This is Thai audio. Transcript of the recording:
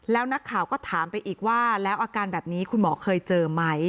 แล้วนักข่าวก็ถามไปอีกว่าแล้วอาการแบบนี้คุณหมอเคยเจอไหม